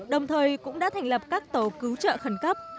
đồng thời cũng đã thành lập các tổ cứu trợ khẩn cấp